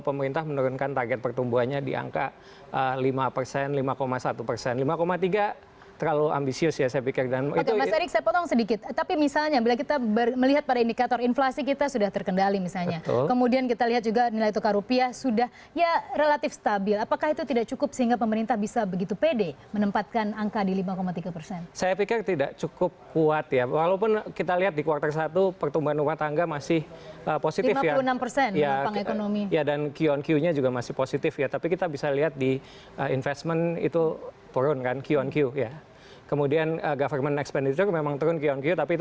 pemerintahan joko widodo